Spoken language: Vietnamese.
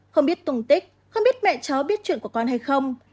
không biết tùng tích không biết mẹ cháu biết chuyện của con hay không